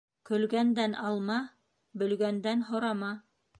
Көлгәндән алма, бөлгәндән һорама.